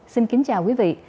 xin kính chào quý vị